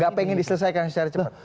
nggak pengen diselesaikan secara cepat